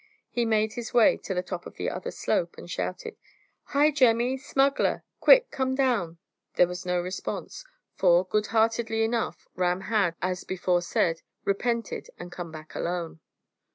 He made his way to the top of the other slope and shouted, "Hi, Jemmy! smuggler! Quick! Come down!" There was no response, for, good heartedly enough, Ram had, as before said, repented, and come back alone.